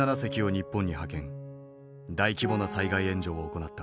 大規模な災害援助を行った。